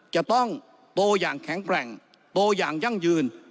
จะต้องโตอย่างแข็งแกร่งโตอย่างยั่งยืน